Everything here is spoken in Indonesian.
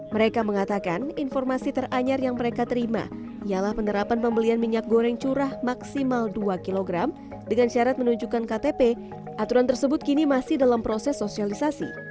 mereka mengatakan informasi teranyar yang mereka terima ialah penerapan pembelian minyak goreng curah maksimal dua kg dengan syarat menunjukkan ktp aturan tersebut kini masih dalam proses sosialisasi